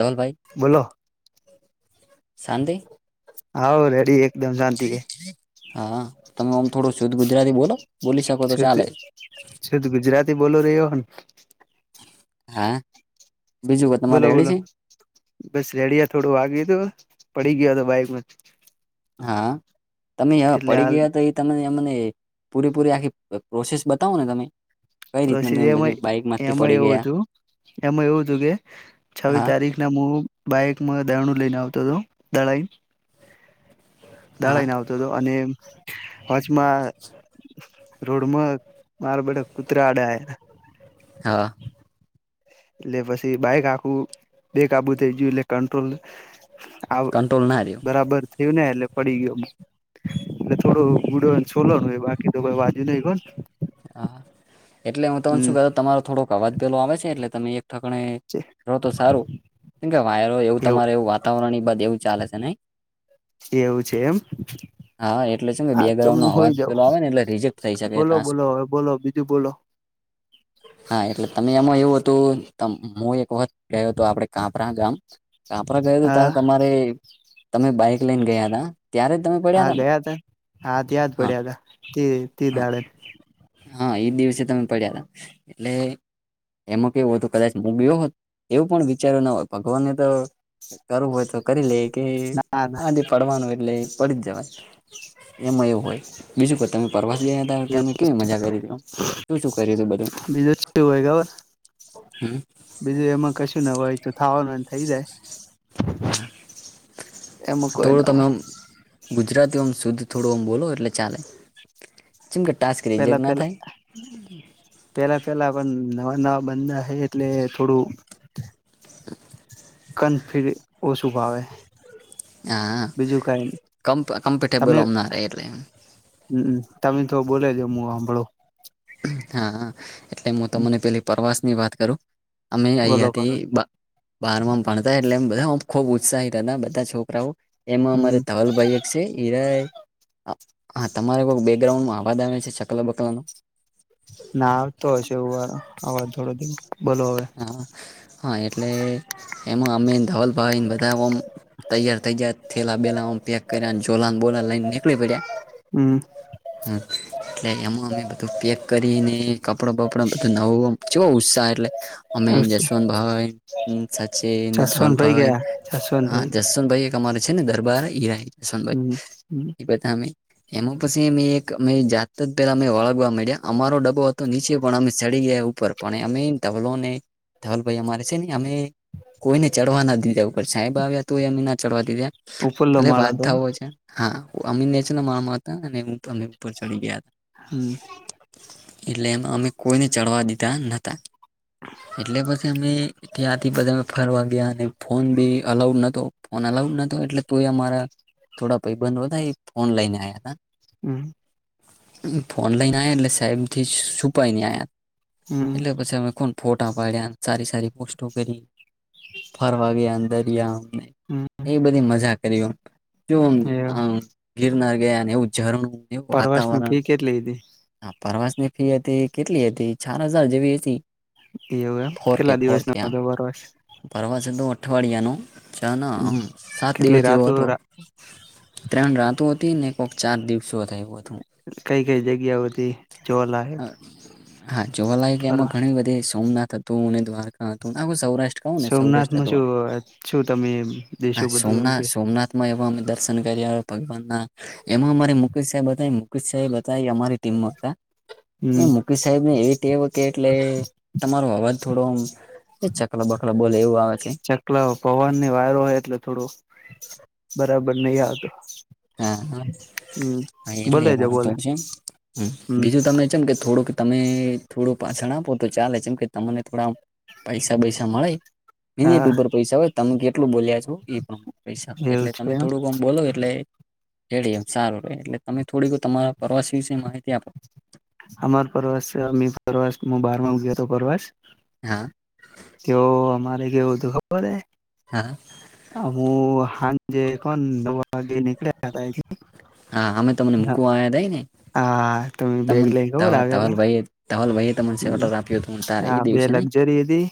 તોલ ભાઈ. બોલો શાંતિ હ રેડી એકદમ શાંતિ કે. હા તમે આમ થોડું શુદ્ધ ગુજરાતી બોલો. બોલી શકો તો છેત ચાલે છે તો ગુજરાતી બોલો રહ્યો ને. હે. બોલો બોલો બસ રેડિયા થોડું વાગ્યું તોું પડી ગયો હતો બાઈકમાં. હા તમે એટલે પડી હાલ ગયા તો એ. તમે મમને પૂરેપૂરી આખી પ્રોસેસ બતાવો ને તમે. કઈ રીતના પ્રસિ તમે એમાં બધું બાઈક માંથી એમાં પડી એવું ગયા હતું એમાં એવું હતું કે છવી હા તારીખ. હું બાઈકમાં દરણું લઈને આવતો હતો દડાઈ. હા દાડાાઈને આવતો હતો અને વચમાં. રોડ માં મારબ કુતરા આડે આ. હા. એટલે પછી બાઈક આખું બે કાબુ થઈ ગયું એટલે કંટ્રોલ. આવ કંટ્રોલ ના રહ્યો બરાબર થયું ને એટલે પડી ગયો. એટલે થોડો ગુડોને છોલો ન હોય બાકી તો કોઈ બાજુ નહ કો ને. હા એટલે હું તને શું કર તમારો થોડોક અવાજ પેલો આવે છે એટલે તમે એક. થક રતો સારું. કેમ કે વાયરો એવું તમારે એવું વાતાવરણ બ એવું ચાલે છે. એ એવું છે એમ. હા એટલે શું કે હા તો બેકગ્રાઉન્ડ નો હું હોય અવાજ જાઉં પેલો આવે ને એટલે રિજેક્ટ થઈ શકે બોલો ટાસ્ક બોલો હવે બોલો બીજું બોલો. હા એટલે તમે એમાં એવું હતું હું એક વખત રહ્યો હતો આપડ કાપરા ગામ. કાપરા ગયો તોું હા ત્યારે તમારે તમે બાઈક લઈને ગયા હતા ત્યારે તમે. પડ્યા હા હતા ને ગયા ત હા ત્યાં જ પડ્યા ત ત ત હા દાડે. હા એજ દિવસે તમે પડ્યા હતાા એટલે. એમાં કેવું હતું કદાચ ગયો હોત એવું પણ વિચારો ના હોય ભગવાનને તો કરવું હોય તો કરી લે કે ના ના આજે પડવાનું એટલે પડી જ જવાય એમાં એવું હોય બીજું કોઈ તમે પર્વતીયાદમે મજા કરી શું, શું કરી તું બધું બીજું શું હોય ખબર હ બીજું એમાં કશું ન હોય તો થાવાનું હોય એમ થઈ જાય એમાં કોઈ ના હોય [unintelligible] ગુજરાતી ઓમ શુદ્ધ થોડું ઓમ બોલો એટલે ચાલે. જેમ કે ટાસ્ક રિજેક્ટ ના થાય પેલા-પેલા પેલા-પેલા અપન નવા-નવા બંદા હે એટલે થોડું કન ફીર ઓશું ફાવે. હા. કમ્ફ કમ્ફર્ટેબલ ઓમ ના રે એટલે. હમ્મ-હમ્મ. તમે તો બોલેજો, હું હાંભળું. હા‌, હા. એટલે હું તમને પેલી પરવાસની વાત કરું? અમે બોલો અહિયાંથી કરો બા બારમાંમ ભણતા એટલે અમે બધા ઓમ ખુબ ઉત્સાહિત હતા બધા છોકરાઓ, એમાં અમારે હમ ધવલભાઈ એક સે ઈ રેય, આ તમારે બોવ બેકગ્રાઉન્ડમાં આવાજ આવે સે, ચકલા બકલાનો ના આવતો હશે એવું, અવાજ થોડો ધીમો, બોલો હવે. હા. હા એટલે એમાં અમે ધવલભાઈન બધા ઓમ તૈયાર થઇ જયા, થેલા બેલા ઓમ પેક કર્યા, ને જોલા બોલાન લઈને નીકળી પડ્યા. [inaudible] એટલે એમાં અમે બધું પેક કરીને કપડા બપડા બધુ નવું આમ, ચેવો ઉત્સાહ એટલે અમે જશવંત ભાઈ, હું, સચિન, અને જસવંતભાઈ ધવલભાઈ ગયા જસવંતભાઈ [unintelligible] જશવંતભાઈ એક અમારે છે ને દરબાર, ઈરાઈ જશવંતભાઈ, હમ હમ ઈ બધા અમે એમાં પછી અમે એક અ જાતતો પેલા અમે વળગવા મંડ્યા, અમારો ડબો હતો નીચે પણ અમે સડી ગયા ઉપર. પણ અમે ધવલોને ધવલભાઈ અમારે સે ને, અમે કોઈને ચઢવા ના દીધા. પણ સાહેબ આવ્યા તોય અમે ના ચડવા દીધા, ઉપરલો ભલે માળો વાત હતો એમ થાઓ છે. હા અમે [unintelligible] મારા માતા અને હું, અમે ચડી ગયા. હમ્મ. એટલે એમ અમે કોઈને ચડવા દીધા નતા. એટલે પછી અમે ત્યાંથી બધા ફરવા ગયા, અને ફોન ભી અલાઉડ નતો, ફોન અલાઉડ નતો એટલે તોય અમારા થોડા ભાઇબંધો હતા ઈ ફોન લઈને આયા તા. હમ્મ. ફોન લઈને આયા એટલે સાહેબથી છુપાઈ ને આયા, હમ હમ એટલે પછી અમે ફોન ફોટા પાડ્યાને, સારી-સારી પોસ્ટો કરી. ફરવા ગયા અન દરિયા અમે, હમ એવી બધી મજા કરી. એ [unintelligible] આમ ગિરનાર ગયા, ને એવું ઝરણું, એવું પરવાસ ની વાતાવરણ ફી કેટલી હતી હા પરવાસની ફી હતી, કેટલી હતી? ચાર હજાર જેવી હતી. એવું એમ. કેટલા દિવસનો હતો પરવાસ? પરવાશ હતો અઠવાડિયાનો, ચ ના આમ સાત કેટલી દિવસ જેવો રાતો હતો. ત્રણ રાતો હતી ને, એક કોક ચાર દિવસો હતા, એવું હતું. કઈ કઈ જગ્યા હતી જોવાલાયક અહ હા જોવાલાયક એમાં ફરવા ઘણી બ સોમનાથ હતું, અને દ્વારકા હતું, આખું સૌરાષ્ટ્ર ટ કઉં ને સૌરાષ્ટ્ર સોમનાથમાં હતો, શું શું તમે દેશો હા બધું એમ કે સોમનાથ-સોમનાથ માં એવા અમે દર્શન કયરા ભગવાનના. એમાં અમારે મુકેશ સાહેબ હતા, ઈ મુકેશ સાહેબ હતા એ અમારી ટીમમાં હતા. એ હમ મુકેશ સાહેબને એ ટેવ હતી એટલે, તમારો અવાજ થોડો આમ એ ચકલા બકલા બોલે એવું આવે છે. [unintelligible] પવનની વાયરો હોય એટલે થોડું બરાબર નહીં આવતો. હા, હમ હા એટલે બોલે જો બોલે વાતોવ છે. હમ્મ હમ બીજું તમે છે ને કે થોડુંક તમે થોડું પાછણ આપો તો ચાલે છે, ચેમ કે તમને થોડા પૈસા બૈસા મળેય. મિનિટ હા ઉપર પૈસા હોય, તમે કેટલું બોલ્યા છો ઈ પ્રમાણે પૈસા હોય, એવું એટલે છે તમે એમ થોડુંક આમ બોલો એટલે રેડી એમ, સારું રહે, એટલે તમે થોડીક તમારા પરવાસ વિશે માહિતી આપો. અમાર પ્રવાસ પ્રવાસ હ બારમાંમ્ ગયોતો પ્રવાસ. હા. તો અમારે કેવું હતું ખબર હૈ? હા. અમો હાંજેે કોન નવ વાગે નીકળ્યા હતા અહીંથી. હા અમે તમને મૂકવા આયાતા એ ને? હા તમેં બેગ લઈ ગયોતો. [unintelligible] તો ધવલભાઈ એ તમને [unintelligible] ઓર્ડર આપ્યોતો તારે એ હા બે દિવસે નહી. લક્ઝરી હતી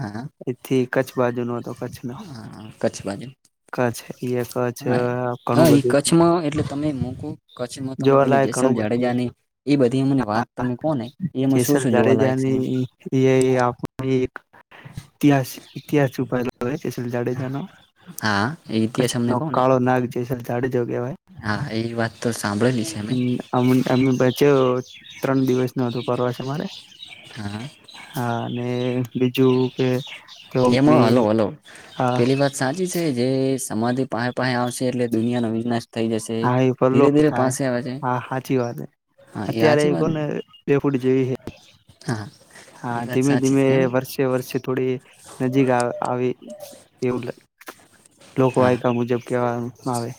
હા એથી કચ્છ બાજુ નો હતો કચ્છ નો અ કચ્છ બાજુ. કચ્છ એ કચ્છ હા ઘણું હા એ બધું કચ્છમાં એટલે તમે મુકો કચ્છમાં તમે પેલી જોવાલાયક જેસલ ઘણું બધું જાડેજાની એ બધી એમને વાત તમે કોને જેસલ જાડેજાની એ આપણી એક ઇતિહાસ ઇતિહાસ છુપાયેલો હે. જેસલ જાડેજાનો હા એ ઇતિહાસ [inaudible] અમને નો કહો ને કાળો નાગ જેસલ જાડેજો કેવાય. હા એ વાત તો સાંભળેલી છે મે. હમ અમે અમે પાછો ત્રણ દિવસનો હતો પ્રવાસ અમારે. હા. હા અને બીજું કે એમાં હલો મમ્મી હલો હા પેલી વાત સાચ છે જે સમાધિ પાહે પાહે આવશે એટલે દુનિયાના વિનાશ થઈ જશે હા એ પાલો ધીરે ધીરે થાય પાસે આવે છે હા હાચી વાત હે. હા અત્યારે સાચી એ વાત ને કોને બે ફૂટ જેવી [inaudible] હા હા એ વાત ધીમે સાચી ધીમે છે એમ એ વર્ષ તે વર્ષથી થોડી નજીક આવી એવું લા લોકો હા આયકા મુજબ કેહેવામ આવે.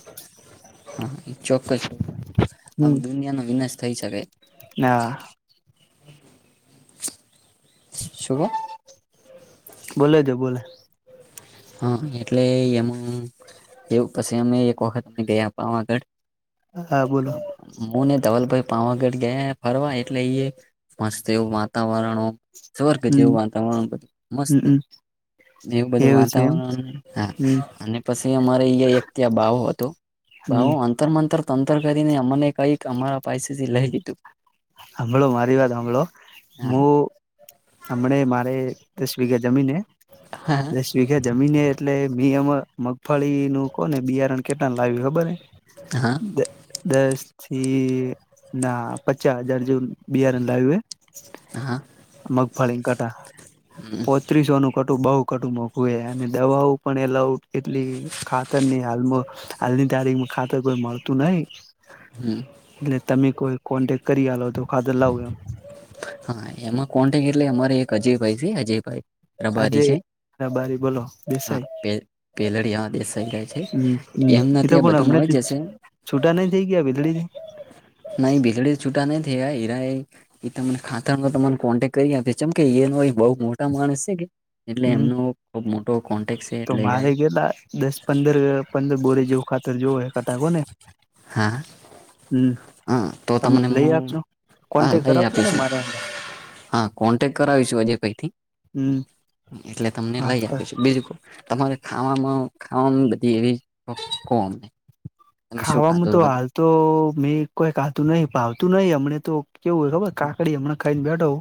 હા એ ચોક્કસ છે. આમ દુનિયાનો વિનાશ થઈ શકે. ના. શું વા બોલે તો બોલે. હમ એટલે એમા એવું પછી અમે એક વખત ગયા તો આગળ હા બોલો. હું ને ધવલભાઈ પાવાગઢ ગયા ફરવા એટલે એ મસ્ત એવું વાતાવરણ સ્વર્ગ હમ જેવું વાતાવરણ બધું મસ્ત. હમમ એવું બધું છે એમ વાતાવરણ હા હમ અને પછી અમારે અયા એક ત્યા બાવો અતો. હમ બાવાએ અંતરમંતર તંતર કરીને અમને કંઈક અમારા પાાયસેથી લઈ લીધું. જો મારી વાત હાભડો હા હું હમને મારે દસ વિઘા જમીન હે. હા દસ વિઘા જમીન એ એટલે મે એમ મગફળીનું કોને બિયારણ કેટલા લાવ્યું ખબર હે? હા દ દસથી ના પચાસ હજાર જેવું બિયારણ લાવ્યું હે. હા. મગફળીન કટા ક પાત્રીસોનું કટું બહુ કટું મોઘું હે અને દવાઓ પણ એ લઉ એટલી ખાતરની એ હાલમાં હાલની તારીખમ ખાતર કોઈ મળતું નહી હમ એટલે તમે કોઈ કોન્ટેક્ટ કરી હો તો ખાતર લાવુ એમ. હા એમાં કોન્ટેક્ટ એટલે અમારે એક અજય ભાઈ છે અજય ભાઈ. અજય ભાઈ બોલો. દેસાઈ પે [unintelligible] બેસી ગયા છે હમ હમ એમને એ તો ત્યાં પણ બધું હમણાં જ મળી જશે છૂટા નઈ થઈ ગયા વીજળીથી? નઈ ભીલડી છૂટા નહી થ હીરા એ તમને ખાતામાં તમા કોન્ટેક્ટ કરી આપે જેમ કે એનો બહુ મોટા માણસ છે કે એટલે હમ એમનો ખુબ મોટો કોન્ટેક છે તો એટલે મારે હીરાએ. ગલા દસ પંદર પંદર બોરે જેવું ખાતર જોવે હોય કટા કોને હા હમ હા તો તમે તમને લઈ હું આપશો હા કોન્ટેક લઈ કરાવજો ને આપીશું મારે આગળ હા કોન્ટેક્ટ કરાવીશું આજે પઈથી હમ એટલે તમને વાત લઈ કર આપી છે બિલકુલ તમારે ખાવામાં ખાવામાં બધી એવીહી ખાવામાં તો હાલ તો મેં કોઈક આવતું નહીિ ભાવતું નહીિ હમને તો કેવું હોય ખબર કાકડી હમણાં ખાઈને બેઠો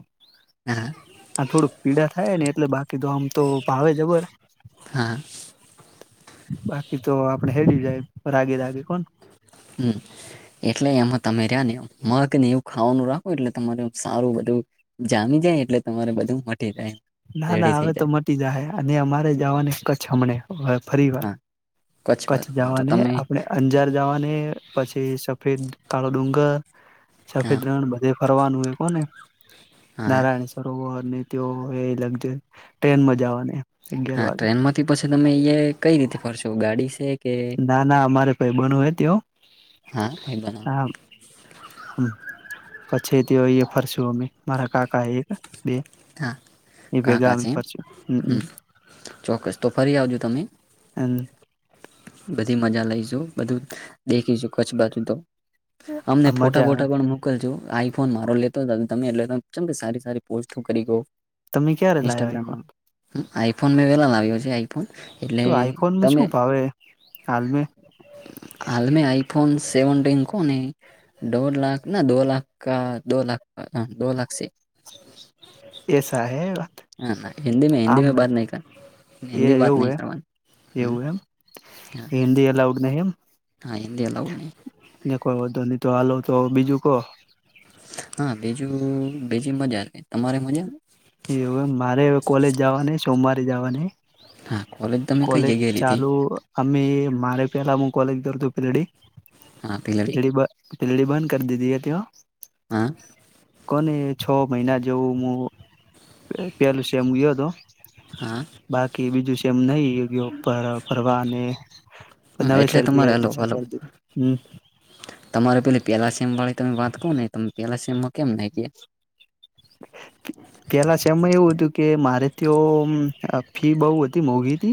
હા હા [unintelligible] હ થોડુંક પીડા થાય ને એટલે બાકી તો આમ તો ભાવે જબર હા બાકી તો આપડે હેરી જાય રાગે દાગે કોણ હમ [unintelligible] એટલે એમાં તમે રહ્યા ને મગ ને એવું ખાવાનું રાખો એટલે તમાર સારું બધું જામી જાય એટલે તમારે બધું મટી જાય ના રેડી ના થઈ હવે તો જાય મટી જ હ અને અમારે જવાને ક હમણે હ ફરી વાર હા કચ્છ બાજુ હા તો જવાને તમે આપણે અંજાર જવાને પછી સફેદ કાળો ડુંગર હા સફેદ રણ બધે ફરવાનું એ કોને હા નારાયણ સરોવર ને તે એ લગરી ટ્રેનમાં જવાની હા ટ્રેન માંથી પછી તમે કઈ રીતે ફરશો ગાડી છે કે ના ના અમારે ભાઈ બનવ હ તે હા ભાઈ બનાવ હા પછી તે અ ફરશું અમે મારા કાકા એક બે હા એ કા ભેગા કાં અમે છે એમ ફરશું હમ હ ચોક્કસ તો ફરી આવજો તમે હમ [unintelligible] બધી મજા લઈશુ બધું દેખીશું કચ્છ બાજુ તો અમને ફોટા મજા આવે ફોટા પણ ગગલ જો આઈફોન મારો લેતો તમે એટ સારી સારી પોસ્ટ કરી ગયો તમે ક્યારે લાવ્યા આઈફોન ઇન્સ્ટાગ્રામમાં આઈફોન મેં વેલા લાવ્યો છે એટલે તમે હ [unintelligible] કાલમે [unintelligible] હાલમે આઈફોન સેવનન્ટન કોનેહી દોઢ લાખ ના દો લાખ કા દો લાખ દો લાખ છે એસા હે હા હિન્દી મે હિન્દી આમ મે બત નહી કર એ હિન્દી વાત નહી કરવાની હમ એ દ એલા ઉ ના એ હા એદી અ લાવઉને કોઈ વધો નહી તો હાલવ તો બીજું કોહ હા બીજું બીજી મજા તમારે મજા એવ મારે કોલેજ જવા ન સોમવારે જવા ન હા કોલેજ દમે કઈ જગે ર હતી. અમ્મે મારે પેલા હું કોલેજ કર તું પિલડી હા પીલડી પીડી. પિિલ્ડી બંધ કરી દીધી હતી તયો. હં. કોને છ મહિના જેવું હું. પેલું સેમ ગયો હતો હા બાકી બીજું સેમ નહ. યોગ્ય પ્રવાહ ને હા એટલે નવેસર થી તમારે હલો હલો [unintelligible] તમારે પેલી પેલા સેમ વાળી તમે વાત કવ ને તમે પેલા સેમમાં કેમ ન કે. પેલા સેમ મા એવું હતું કે મારે તો ફી બહુ હતી, મોઘી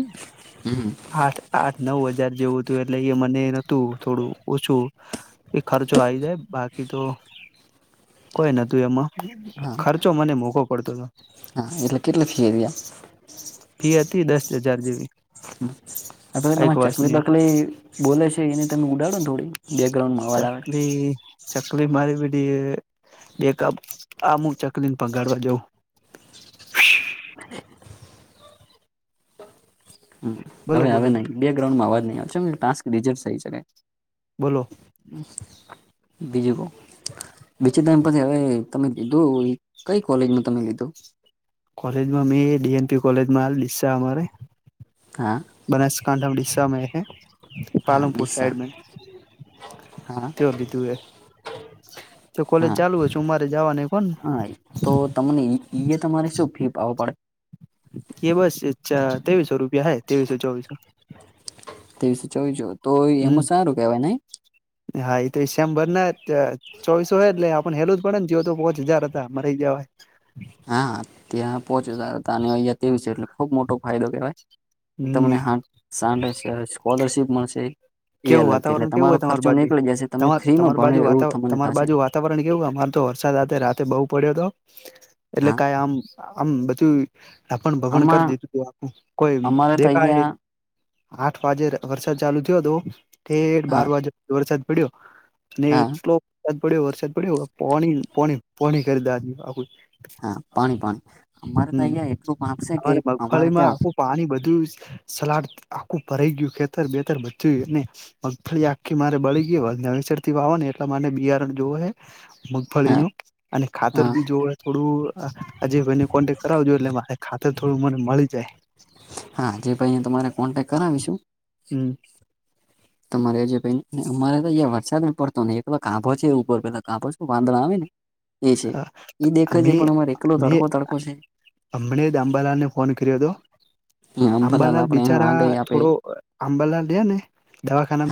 હમ સાત આઠ નવ હજાર જેવું હ તો એટલે એ મને નતું થોડું ઓછું એ ખર્ચો આવી જાય બાકી ઈ તો કોઈ નતું એમાં હા, ખર્ચો મને મોઘો પડતો હતો હા એટલે કેટલા થઇ ફી હતી દસ હજાર જેવી એક [unintelligible] [unintelligible] ચાકલી વર્ષની બાકરી બોલે છે, એને તમે ઉડાડો ને થોડી બેકગ્રાઉન્ડમાં હવાલ આવે ચકલી મારી બીધ એક આ અમુક ચકલી ને પગાડવા જઉં હમ્મ અ બોલો આવે બોલો નહી, બેગ્રઉન્ડમાં અવાજ નહી આવ છેમ ટાક રિજર થઈ શકે, બોલો બીજું કોક બીચે ટાઈમ પછી હવે તમે લીધું કઈ કોલેજ નું તમે લીધું, કોલેજમાં [unintelligible] કોલેજમાં અમારે. હા બનસકાઠા નુ ડીસામાં હૈ હા પાલનપુર ડીસા સાઈડ મે હા તે લીધું એ તો કોલેજ હા ચાલુ હ હું મારે જવાની કોણ, હા તો તમને ઈ તમારે શું ફી આવ પડે, [unintelligible] ત્રેવીસો રૂપિયા હે ત્રેવીસો ચોવીસો તેવીસ ચોવીજો તો હમ એમાં સારું કેવાય નઈ હા, એ તો વિશંભર ના ત ચોઈસો હો એટલે આપણ હેલું જ પડેને જઓ તો પોચ હજાર હતા મરી ગયા હોય, હા, ત્યાં પહોંચ હતા અહંયા તેવી છે, એટલે ખુબ મોટો ફાયદો કેવાય હમ તમનેં સ્કોલરશીપ મળશે, એ કેવું અલગથી એટલે વાતાવરણ કેવું તમારો હોય તમારી ખર્ચો બાજુ નીકળી જશે તમે તમાર ફ્રીમાં તમાર બાજુ ભણ્યો એવું વાતા તમને તમાર થશે, બાજુ વાતાવરણ કેવું અમારે તો વરસાદ આ રાતે બહુ પડ્યો હતો, એટલે હા કાઈ આમ આમ બધું પણ, ભમણ કરી આમાં દીધું તુ આપું કોઈ અમારે તો દેખાય અહિયાં આઠ વાગે વરસાદ ચાલુ થયો હતો, ઠેઠ હા બાર વાગે વરસાદ પડ્યો, ને હા એટલો વરસાદ પડ્યો વરસાદ પડ્યો પોણી, પોણી પોણી કરી દેં આખું હા પાણી પાણી અમારે તો હમ્મ અહિયાં એટલું આપશે કે [unintelligible] અમારે મગફળીમાં ત્યાં આખું પાણી બધું સલાડ આખું ભરાઈ ગયું ખેતર બેતર બધુંય ને મફળી આખી મારે બળી ગય નવેસર થી વાવા ને એટલે મારે બિયારણ જોવો હે, હા મગફળીનું અને ખાતર હા બી જોવા થોડું અજયભાઈ ને કોન્ટેક્ટ કરાવજો એટલે મા ખાતર થોડું મને મળી જાય, હા, અજયભાઈ તમારે કોન્ટેક્ટ કરાવીશું. હમ્મ તમારે જેને અમારે તોં વરસાદ પડતો ને એ પેલો કાભો છે, ઉપર પેલા કાભો શ વાંદડા આવે ને એ છે એ દેખાય છે, મે પણ અમારે એકલો મેં તડકો તડકો છે. હમણે જ આંબાલાલ ને ફોન કર્યો હતો આમ ભલાલ આંબાલાલ આપડે બિચારા આગળ આપે થોડો. અંબાલા લયા ને દવાખાનામા